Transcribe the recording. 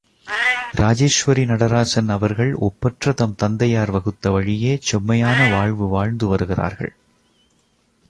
இராஜேசுவரி நடராசன் அவர்கள் ஒப்பற்ற தம் தந்தையார் வகுத்த வழியே செம்மையான வாழ்வு வாழ்ந்து வருகிறார்கள்.